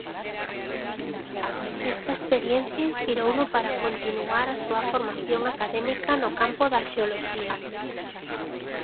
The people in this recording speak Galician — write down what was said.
Esta experiencia inspirouno para continuar a súa formación académica no campo da xeoloxía.